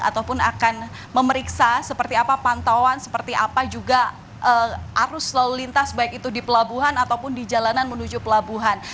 ataupun akan memeriksa seperti apa pantauan seperti apa juga arus lalu lintas baik itu di pelabuhan ataupun di jalanan menuju pelabuhan